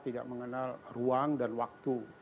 tidak mengenal ruang dan waktu